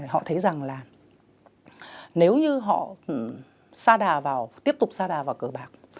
họ thấy rằng là nếu như họ xa đà vào tiếp tục xa đà vào cờ bạc